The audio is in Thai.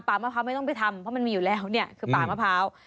มะพร้าวไม่ต้องไปทำเพราะมันมีอยู่แล้วเนี่ยคือป่ามะพร้าว